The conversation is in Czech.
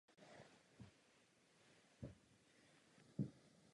Chodidla obou pohlaví jsou žlutá.